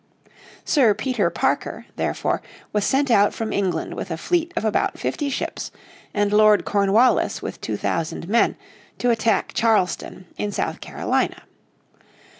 Sir Peter Parker, therefore, was sent out from England with a fleet of about fifty ships, and Lord Cornwallis with two thousand men, to attack Charleston in South Carolina.